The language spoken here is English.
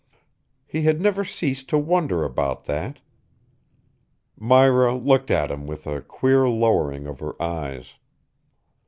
He had never ceased to wonder about that. Myra looked at him with a queer lowering of her eyes.